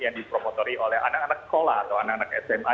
yang dipromotori oleh anak anak sekolah atau anak anak sma